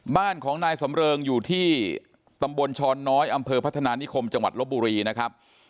บ้านของนายสำเริงอยู่ที่ตำบลช้อนน้อยอำเภอพัฒนานิคมจังหวัดลบบุรีนะครับ